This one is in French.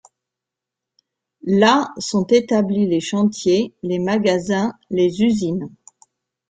Là sont établis les chantiers, les magasins, les usines.